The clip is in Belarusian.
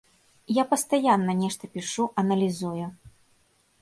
Я пастаянна нешта пішу, аналізую.